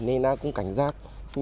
nên em cũng cảnh giác